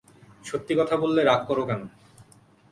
সত্যি কথা বললে রাগ কর কেন?